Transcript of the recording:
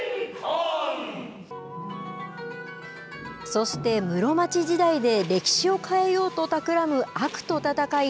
そして室町時代で歴史を変えようとたくらむ悪と戦い